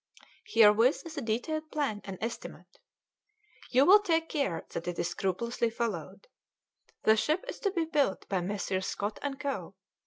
Herewith is a detailed plan and estimate. You will take care that it is scrupulously followed. The ship is to be built by Messrs. Scott and Co.